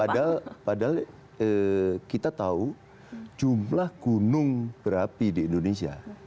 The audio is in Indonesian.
padahal kita tahu jumlah gunung berapi di indonesia